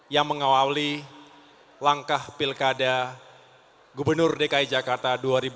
yang mengawali langkah pilkada gubernur dki jakarta dua ribu tujuh belas dua ribu dua puluh dua